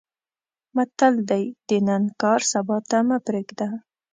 متل دی: د نن کار سبا ته مې پرېږده.